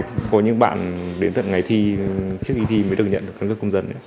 có những bạn đến tận ngày thi trước khi thi mới được nhận được căn cấp công dân